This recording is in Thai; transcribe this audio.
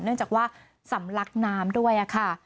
เนื่องจากว่าสำลักนามด้วย